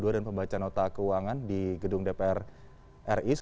dan pembaca nota keuangan di gedung dpr ri